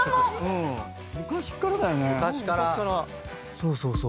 そうそうそう。